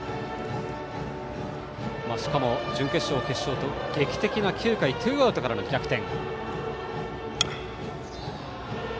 しかも準決勝、決勝と劇的な９回ツーアウトからの逆転。